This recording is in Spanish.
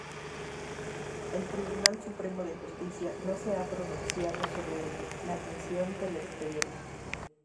El Tribunal Supremo de Justicia no se ha pronunciado sobre la admisión del expediente.